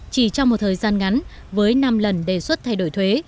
chỉ trong một thời gian ngắn với năm lần đề xuất thay đổi thuế